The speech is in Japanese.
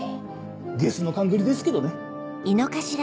下衆の勘繰りですけどね。